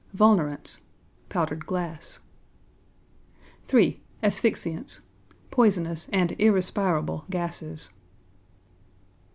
Vulnerants powdered glass. III. Asphyxiants. Poisonous and irrespirable gases.